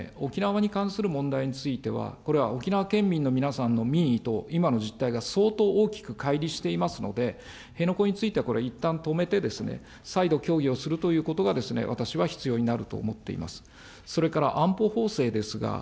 まずその中でも１点は、沖縄に関する問題については、これは沖縄県民の皆さんの民意と今の実態が相当大きくかい離していますので、辺野古については、これ、いったん止めてですね、再度協議をするということが私は必要になると思っております。